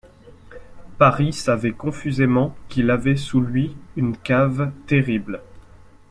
Paris savait confusément qu’il avait sous lui une cave terrible.